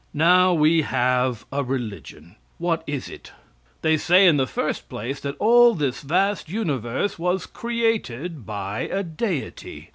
Now we have a religion. What is it? They say in the first place that all this vast universe was created by a deity.